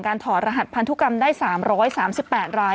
ถอดรหัสพันธุกรรมได้๓๓๘ราย